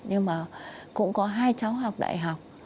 nhưng mà cũng có hai cháu học đại học